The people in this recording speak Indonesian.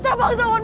semakin dekat mas